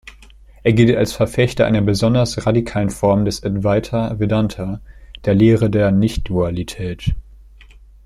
Er gilt als Verfechter einer besonders radikalen Form des "Advaita-Vedanta", der Lehre der Nicht-Dualität.